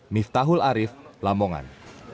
miftahul arief lamongan